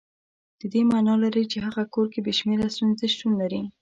د دې معنا لري چې هغه کور کې بې شمېره ستونزې شتون لري.